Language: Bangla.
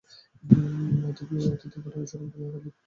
অতীত এ ঘটনা স্মরণ হওয়ায় খালিদ হৃদয়ে এক গভীর বেদনা অনুভব করেন।